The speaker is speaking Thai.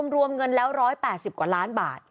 รวมเงินแล้ว๑๘๐กว่าล้านบาท